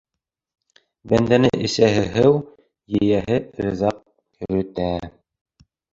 Бәндәне әсәһе һыу, ейәһе ризыҡ йөрөтә.